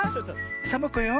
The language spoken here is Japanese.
サボ子よ。